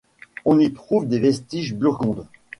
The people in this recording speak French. On y trouve des vestiges burgondes.